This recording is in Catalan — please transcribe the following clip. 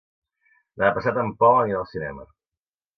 Demà passat en Pol anirà al cinema.